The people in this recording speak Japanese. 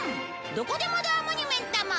どこでもドアモニュメントも